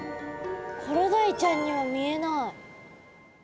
コロダイちゃんには見えない。